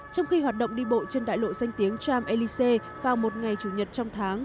trong khi hoạt động đi bộ trên đại lộ danh tiếng cham elise vào một ngày chủ nhật trong tháng